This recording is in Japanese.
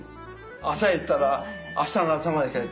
朝行ったら明日の朝まで。